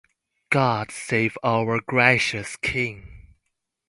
God save our gracious king.